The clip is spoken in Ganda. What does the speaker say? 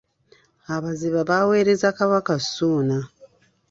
Abaziba baaweereza Kabaka Ssuuna.